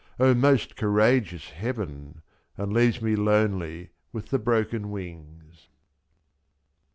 O most courageous heaven! — And leaves me lonely with the broken wings.